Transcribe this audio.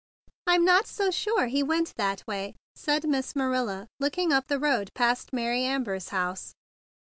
"I'm not so sure he went that way," said Miss Marilla, looking up the road past Mary Amber's house.